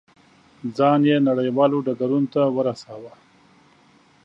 ځان یې نړیوالو ډګرونو ته ورساوه.